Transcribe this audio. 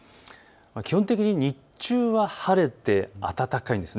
基本的に日中は晴れて暖かいです。